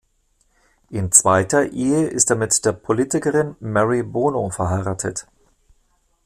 In zweiter Ehe ist er mit der Politikerin Mary Bono verheiratet.